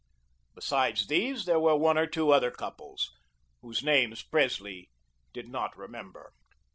Besides these, there were one or two other couples, whose names Presley did not remember.